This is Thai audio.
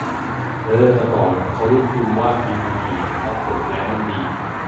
เออ ตะก่อนเค้าเรียกพิมพ์ว่าพิมพ์ดีด เพราะกดแล้วมันดีด